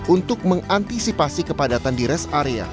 untuk mengantisipasi kepadatan di rest area